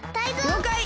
りょうかい！